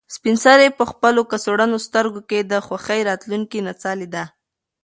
سپین سرې په خپل کڅوړنو سترګو کې د خوښۍ راتلونکې نڅا لیده.